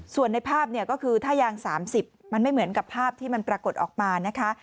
ส่วนในภาพเนี่ยก็คือถ้ายาง๓๐มันไม่เหมือนกับภาพที่มันปรากฏออกมานะคะ